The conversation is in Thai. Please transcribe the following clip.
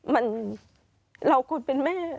มันเราควรเป็นแม่